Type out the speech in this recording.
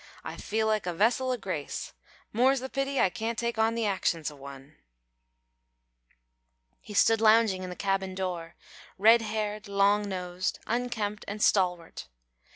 "I feel like a vessel o' grace, more's the pity I can't take on the actions o' one." He stood lounging in the cabin door red haired, long nosed, unkempt, and stalwart.